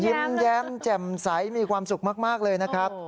ยิ้มแย้มแจ่มใสมีความสุขมากเลยนะครับ